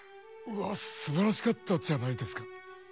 うわすばらしかったじゃないですか。